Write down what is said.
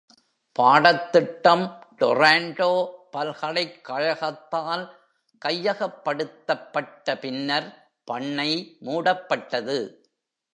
பாடத்திட்டம் டொராண்டோ பல்கலைக்கழகத்தால் கையகப்படுத்தப்பட்ட பின்னர் பண்ணை மூடப்பட்டது.